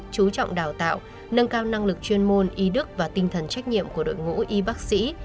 chú trọng đào tạo nâng cao năng lực chuyên môn y đức và tinh thần trách nhiệm của đội ngũ y bác sĩ